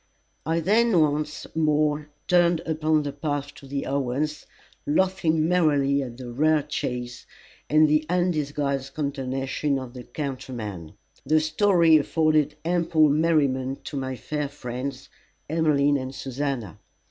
I then once more turned upon the path to the Owens', laughing merrily at the rare chase, and the undisguised consternation of the countryman. The story afforded ample merriment to my fair friends Emmeline and Susannah.